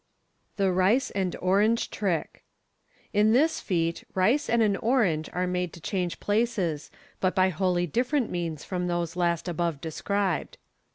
Thb Rice and Orange Trick. — In this feat rice and an orange are made to change places, but by wholly different means from those last above described.